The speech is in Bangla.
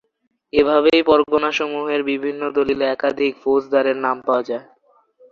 এভাবেই পরগণাসমূহের বিভিন্ন দলিলে একাধিক ফৌজদারের নাম পাওয়া যায়।